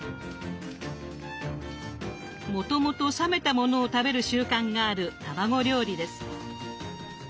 もともと冷めたものを食べる習慣がある卵料理です。